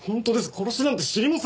殺しなんて知りません！